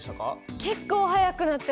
結構速くなってました。